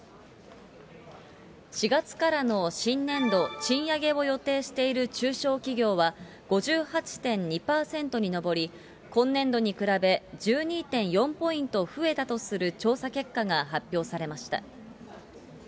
４月からの新年度、賃上げを予定している中小企業は、５８．２％に上り、今年度に比べ、１２．４ポイント増えたとする調査結果が発表されました。